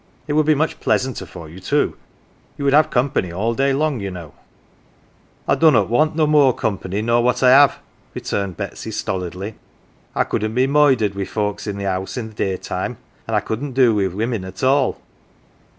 It would be much pleasanter for you too. You would have company all day long, you know. 1 ' 1 " I dunnot want no more company nor what I have," returned Betsv, stolidly. " I couldn't be moidered wi' folks in the house i' th' daytime, an" I couldn't do with women at all.